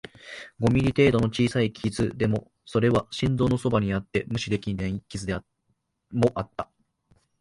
五ミリ程度の小さい傷、でも、それは心臓のそばにあって無視できない傷でもあった